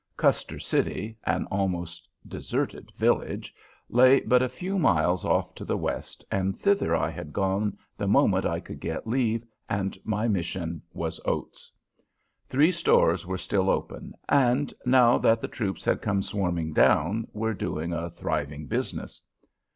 Custer City, an almost deserted village, lay but a few miles off to the west, and thither I had gone the moment I could get leave, and my mission was oats. Three stores were still open, and, now that the troops had come swarming down, were doing a thriving business.